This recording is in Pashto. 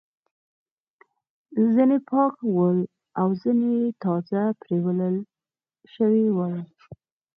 ځینې پاک ول او ځینې تازه پریولل شوي ول.